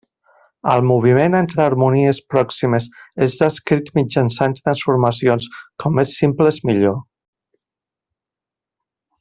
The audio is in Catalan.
El moviment entre harmonies pròximes és descrit mitjançant transformacions com més simples millor.